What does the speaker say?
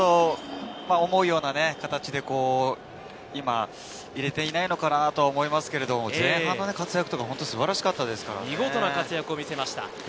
思うような形で今、入れていないのかなと思いますけど、前半の活躍とか素晴らしかったですよね。